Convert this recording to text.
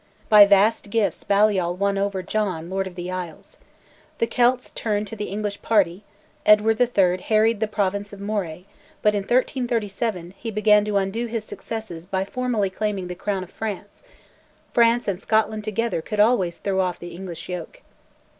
By vast gifts Balliol won over John, Lord of the Isles. The Celts turned to the English party; Edward III. harried the province of Moray, but, in 1337, he began to undo his successes by formally claiming the crown of France: France and Scotland together could always throw off the English yoke.